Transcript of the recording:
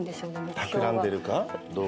たくらんでるかどうか？